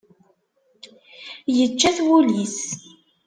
Yečča-t wul-is.